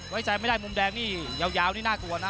ไว้ใจไม่ได้มุมแดงนี่ยาวนี่น่ากลัวนะ